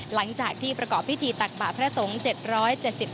หลังจากที่ประกอบพิธีตักปะพระสงฆ์